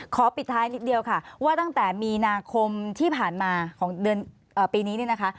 ปิดท้ายนิดเดียวค่ะว่าตั้งแต่มีนาคมที่ผ่านมาของเดือนปีนี้เนี่ยนะคะ